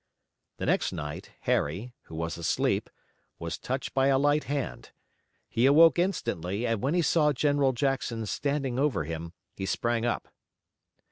The next night, Harry, who was asleep, was touched by a light hand. He awoke instantly, and when he saw General Jackson standing over him, he sprang up.